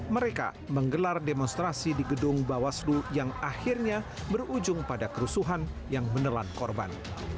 mereka menggelar demonstrasi di gedung bawaslu yang akhirnya berujung pada kerusuhan yang menelan korban